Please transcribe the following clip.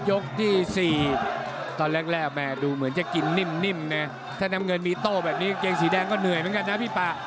ยกที่๔ตอนแรกแม่ดูเหมือนจะกินนิ่มนะถ้าน้ำเงินมีโต้แบบนี้กางเกงสีแดงก็เหนื่อยเหมือนกันนะพี่ป่า